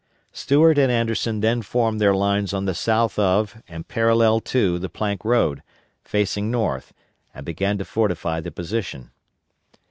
Stuart and Anderson then formed their lines on the south of and parallel to the Plank Road, facing north, and began to fortify the position.